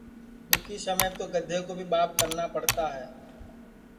دُؔکھی سمیپ تو گدھے کُو بھی ٻاپ کرنا پڑتا ہے